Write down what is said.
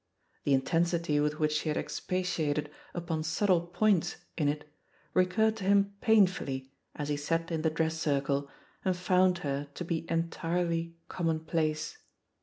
The intensity with which she had expatiated upon subtle points in it recurred to him painfully as he sat in the dress circle and found her to be entirely commonplace.